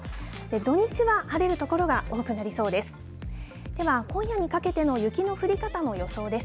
土日は晴れる所が多くなりそうです。